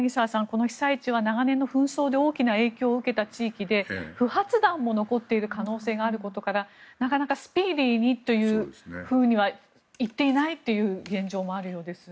この被災地は長年の紛争で大きな影響を受けた地域で不発弾も残っている可能性があることからなかなかスピーディーにというふうにはいっていないという現状もあるようです。